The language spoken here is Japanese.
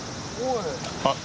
あっ！？